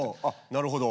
なるほど。